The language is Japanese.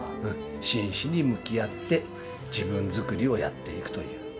真摯に向き合って、自分づくりをやっていくという。